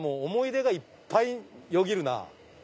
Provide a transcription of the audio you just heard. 思い出がいっぱいよぎるなぁ。